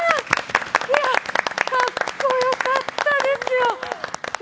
いや、かっこよかったですよ！